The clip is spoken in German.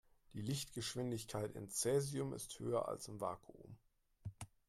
Die Lichtgeschwindigkeit in Cäsium ist höher als im Vakuum.